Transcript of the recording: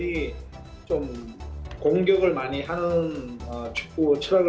saya juga menarik dari thailand